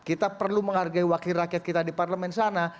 kita perlu menghargai wakil rakyat kita di parlemen sana